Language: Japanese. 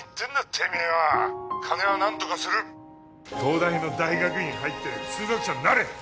てめえは金は何とかする東大の大学院入って数学者になれ